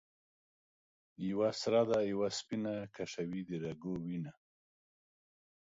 یوه سره ده یوه سپینه ـ کشوي د رګو وینه